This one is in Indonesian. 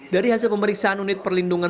dari hasil pemeriksaan unit perlindungan